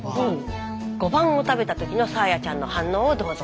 ５番を食べた時のさあやちゃんの反応をどうぞ。